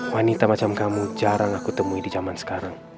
wanita macam kamu jarang aku temui di zaman sekarang